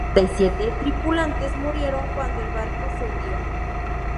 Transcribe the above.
Setenta y siete tripulantes murieron cuando el barco se hundió.